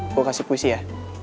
gue kasih puisi ya